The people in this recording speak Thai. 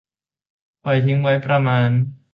ปล่อยทิ้งไว้ประมาณ